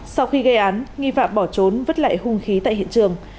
sau khi gây án nghi phạm bỏ trốn vứt lại hung khí tại hiện trường